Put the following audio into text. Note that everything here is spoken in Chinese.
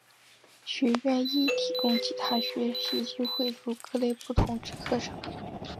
学院亦提供其他学习机会如各类不同之课程。